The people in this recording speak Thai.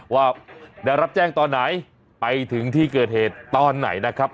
ว่าได้รับแจ้งตอนไหนไปถึงที่เกิดเหตุตอนไหนนะครับ